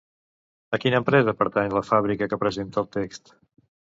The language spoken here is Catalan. A quina empresa pertany la fàbrica que presenta el text?